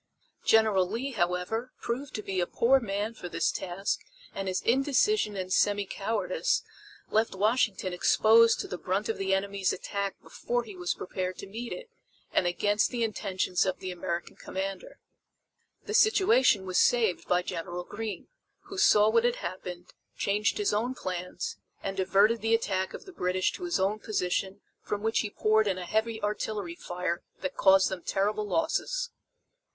General Lee, however, proved to be a poor man for this task and his indecision and semi cowardice left Washington exposed to the brunt of the enemy's attack before he was prepared to meet it and against the intentions of the American commander. The situation was saved by General Greene, who saw what had happened, changed his own plans and diverted the attack of the British to his own position from which he poured in a heavy artillery fire that caused them terrible losses.